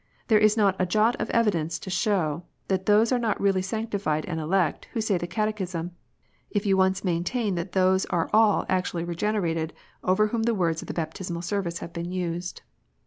There is not a jot of evidence to show that those are not really sanctified and elect who say the Catechism, if you once maintain that those are all actually " regenerated " over whom the words of the Baptismal Service have been used.